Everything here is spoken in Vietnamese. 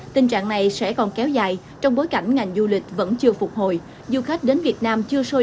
tình trạng này sẽ còn kéo dài trong bối cảnh ngành du lịch vẫn chưa phục hồi